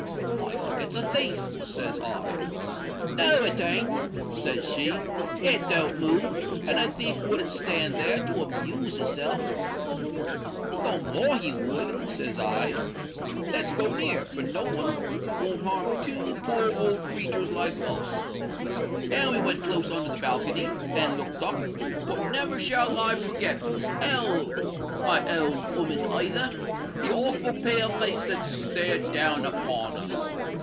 —'I think it's a thief,' says I.—'No it ain't,' say she: 'it don't move; and a thief wouldn't stand there to amuse his self.'—'No more he would,' says I: 'let's go near, for no one won't harm two poor old creaturs like us.' And we went close under the balcony, and looked up; but never shall I forget, or my old 'ooman either, the awful pale face that stared down upon us!